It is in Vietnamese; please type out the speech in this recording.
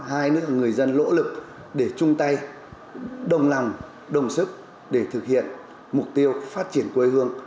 hai nước là người dân lỗ lực để chung tay đồng lòng đồng sức để thực hiện mục tiêu phát triển quê hương